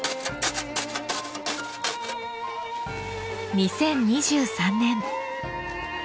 ２０２３年。